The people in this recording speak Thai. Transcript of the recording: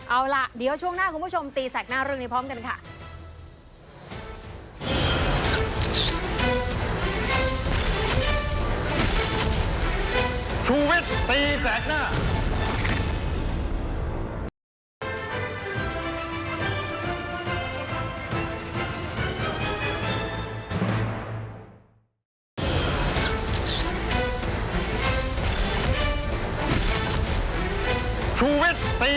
เอาล่ะเดี๋ยวช่วงหน้าคุณผู้ชมตีแสกหน้าเรื่องนี้พร้อมกันค่ะ